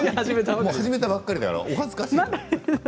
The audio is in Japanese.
始めたばかりなのでお恥ずかしい。